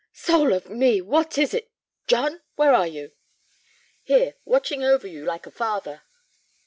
"Soul of me, what is it? John! Where are you?" "Here, watching over you like a father."